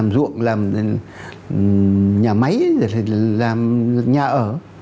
làm ruộng làm nhà máy làm nhà ở